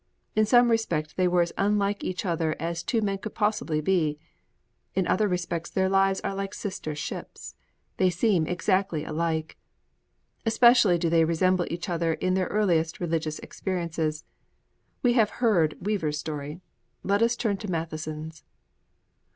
In some respects they were as unlike each other as two men could possibly be: in other respects their lives are like sister ships; they seem exactly alike. Especially do they resemble each other in their earliest religious experiences. We have heard Weaver's story: let us turn to Matheson's.